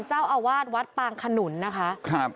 เจ้าาวาดวัดปางเขานุลนะคะ